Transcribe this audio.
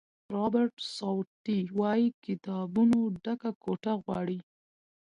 رابرټ سوټي وایي کتابونو ډکه کوټه غواړي.